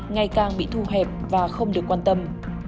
ngày càng bị thu hẹp và không được quan tâm